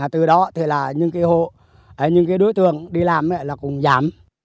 từ đó thì là những cái hộ những cái đối tượng đi làm cũng giảm